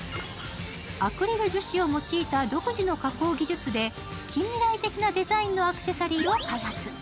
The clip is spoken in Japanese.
アクリル樹脂を用いた独自の加工技術で近未来的なデザインのアクセサリーを開発。